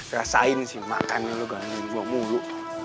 rasain sih makannya lo gandeng jual mulu